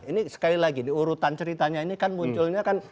ini sekali lagi diurutan ceritanya ini kan munculnya kan